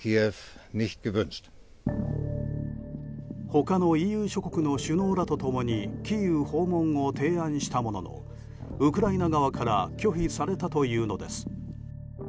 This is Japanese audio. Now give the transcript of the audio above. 他のＥＵ諸国の首脳らと共にキーウ訪問を提案したもののウクライナ側から拒否されたというのです。